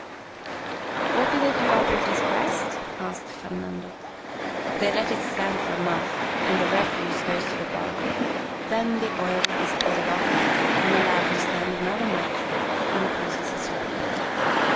" What do they do after it is pressed ?" asked Fernando. "They let it stand for a month and the refuse goes to the bottom. Then the oil is poured off and allowed to stand another month, when the process is repeated.